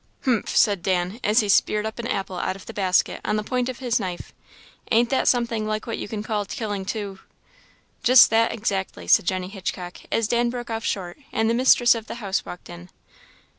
"Humph!" said Dan, as he speared up an apple out of the basket on the point of his knife "ain't that something like what you can call killing two" "Just that, exactly," said Jenny Hitchcock, as Dan broke off short, and the mistress of the house walked in.